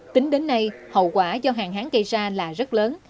tính đến nay hậu quả do hạn hán gây ra là rất lớn